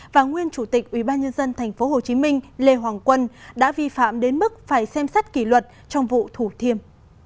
và nguyên chủ tịch ubnd tp hcm lê hoàng quân đã vi phạm đến mức phải xem xét kỷ luật trong vụ thủ thiêm